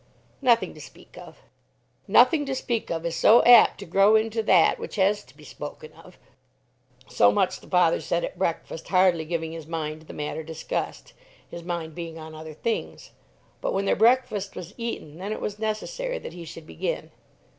"Nothing to speak of." "Nothing to speak of is so apt to grow into that which has to be spoken of." So much the father said at breakfast, hardly giving his mind to the matter discussed, his mind being on other things. But when their breakfast was eaten, then it was necessary that he should begin.